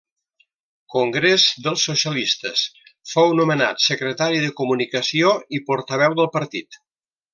Congrés dels Socialistes, fou nomenat Secretari de Comunicació i Portaveu del partit.